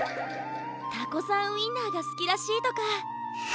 タコさんウインナーがすきらしいとか。